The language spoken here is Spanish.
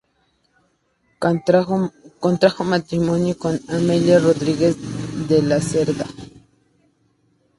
Contrajo matrimonio con Amelia Rodríguez de la Cerda.